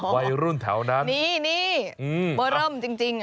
อ๋อนี่เบอร์เริ่มจริงอะวัยรุ่นแถวนั้น